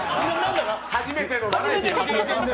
初めての。